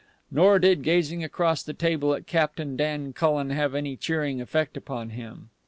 Nor did gazing across the table at Captain Dan Cullen have any cheering effect upon him.